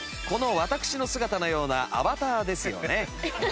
この私の姿のようなアバターですよね。